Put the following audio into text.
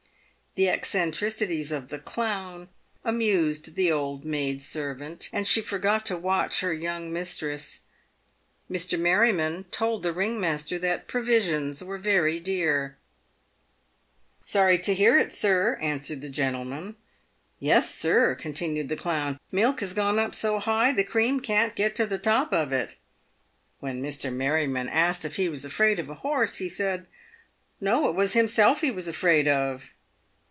The eccentricities cf the clown amused the old maid servant, and she forgot to watch her young mistress. Mr. Merryman told the ring master that provisions were very dear. —" Sorry to hear it, sir," answered the gentleman. " Yes, sir," con tinued the clown, " milk has gone up so high, the cream can't get to the top of it." "When Mr. Merryman was asked if he was afraid of a horse, he said, " No, it was himself he was afraid of."